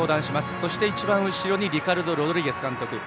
そして一番後ろにリカルド・ロドリゲス監督。